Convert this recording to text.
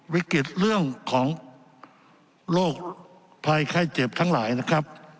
วิกฤตเรื่องของโรคภัยไข้เจ็บทั้งหลายนะครับ